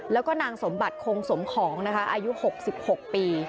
แล้วก็นางสมบัติคงสมของนะคะอายุ๖๖ปี